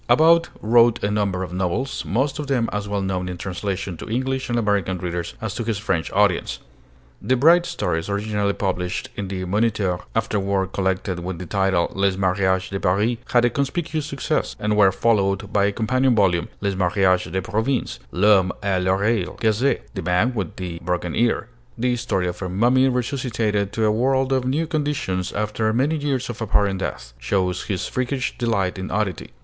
About wrote a number of novels, most of them as well known in translation to English and American readers as to his French audience. The bright stories originally published in the Moniteur, afterward collected with the title 'Les Mariages de Paris' had a conspicuous success, and were followed by a companion volume, 'Les Mariages de Province.' 'L'Homme à l'Oreille Cassée' (The Man with the Broken Ear) the story of a mummy resuscitated to a world of new conditions after many years of apparent death shows his freakish delight in oddity.